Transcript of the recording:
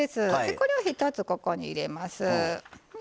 これを１つここに入れます。